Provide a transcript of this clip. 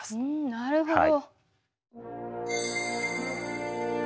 なるほど！